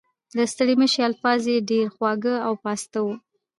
د ستړي مشي الفاظ یې ډېر خواږه او پاسته وو.